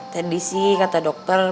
tadi sih kata dokter